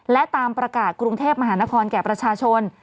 และตามประกาศกรุงเทพมหานครแก่ประชาชน